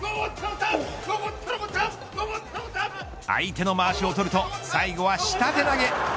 相手のまわしを取ると最後は下手投げ。